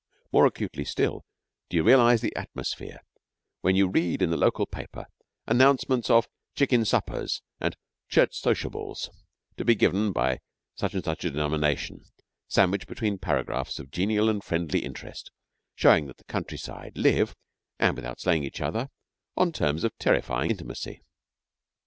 More acutely still, do you realise the atmosphere when you read in the local paper announcements of 'chicken suppers' and 'church sociables' to be given by such and such a denomination, sandwiched between paragraphs of genial and friendly interest, showing that the countryside live (and without slaying each other) on terms of terrifying intimacy.